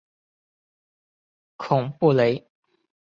孔布雷。